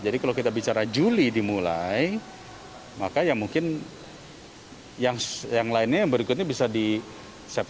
jadi kalau kita bicara juli dimulai maka ya mungkin yang lainnya yang berikutnya bisa di september oktober atau bahkan sampai desember